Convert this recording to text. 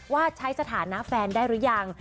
ว่าใช้สถานะแฟนได้หรือยัง